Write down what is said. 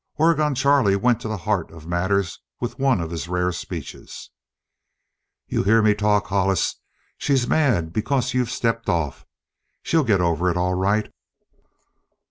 Oregon Charlie went to the heart of matters with one of his rare speeches: "You hear me talk, Hollis. She's mad because you've stepped off. She'll get over it all right."